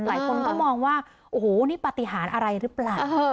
หลายคนก็มองว่าโอ้โหนี่ปฏิหารอะไรหรือเปล่า